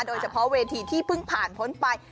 โดยเฉพาะเวทีที่เพิ่งผ่านพ้นไป